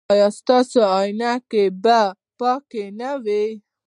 ایا ستاسو عینکې به پاکې نه وي؟